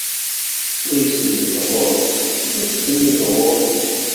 Wa isenned ɣur-s, wa tsenned ɣur-s.